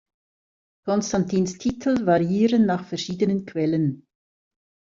Konstantins Titel variieren nach verschiedenen Quellen.